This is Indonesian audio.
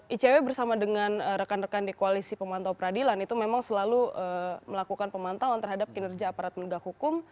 icw bersama dengan rekan rekan di koalisi pemantau peradilan itu memang selalu melakukan pemantauan terhadap kinerja aparat penegak hukum